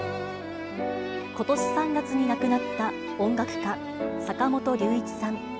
ことし３月に亡くなった音楽家、坂本龍一さん。